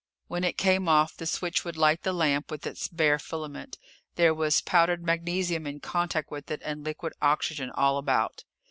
When it came off, the switch would light the lamp with its bare filament. There was powdered magnesium in contact with it and liquid oxygen all about.